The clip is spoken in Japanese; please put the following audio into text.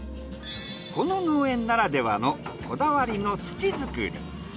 この農園ならではのこだわりの土作り。